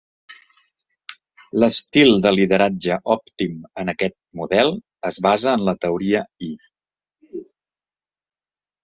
L'estil de lideratge òptim en aquest model es basa en la Teoria Y.